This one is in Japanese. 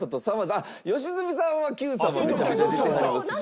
あっ良純さんは『Ｑさま！！』もめちゃめちゃ出てはりますし。